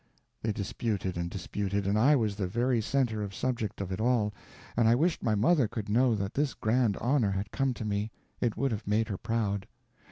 They disputed and disputed, and I was the very center of subject of it all, and I wished my mother could know that this grand honor had come to me; it would have made her proud.